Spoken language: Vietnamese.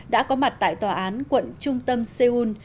đã có mặt tại tòa án quận trung tâm seoul